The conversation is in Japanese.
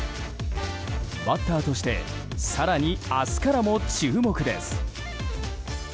バッターとして更に明日からも注目です。